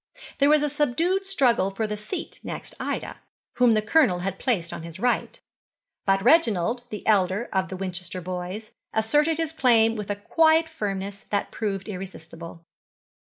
There was a subdued struggle for the seat next Ida, whom the Colonel had placed on his right, but Reginald, the elder of the Winchester boys, asserted his claim with a quiet firmness that proved irresistible.